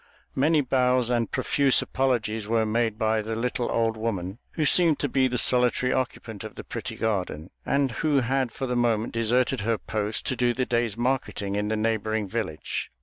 Many bows and profuse apologies were made by the little old woman, who seemed to be the solitary occupant of the pretty garden, and who had for the moment deserted her post to do the day's marketing in the neighboring village.